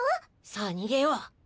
さあにげよう。